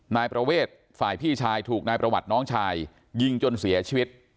นายประเวทฝ่ายพี่ชายถูกนายประวัติน้องชายยิงจนเสียชีวิต